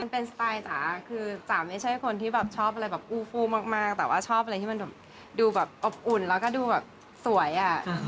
เป็นสไตล์จ๋าคือจ๋าไม่ใช่คนที่แบบชอบอะไรแบบอู้ฟู้มากแต่ว่าชอบอะไรที่มันแบบดูแบบอบอุ่นแล้วก็ดูแบบสวยอ่ะ